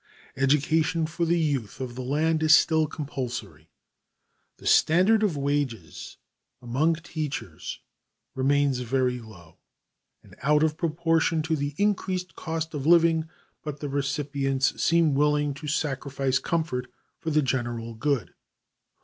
Education for the youth of the land is still compulsory. The standard of wages among teachers remains very low, and out of proportion to the increased cost of living, but the recipients seem willing to sacrifice comfort for the general good.